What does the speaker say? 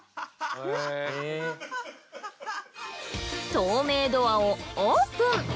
透明ドアをオープン。